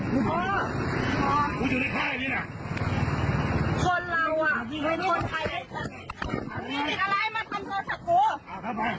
ทำไมคุยกันดีไม่ได้แล้วปิดแปลงให้ตัวทำไมอ่ะ